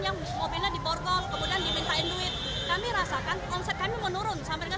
yang mobilnya diborgol kemudian dimintain duit